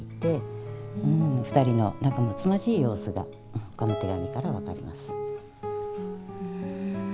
２人の仲むつまじい様子がこの手紙から分かります。